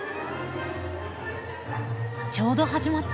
ちょうど始まった。